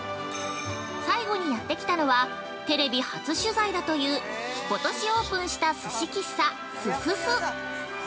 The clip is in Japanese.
最後にやってきたのは、テレビ初取材だという、今年オープンした鮨喫茶「すすす」。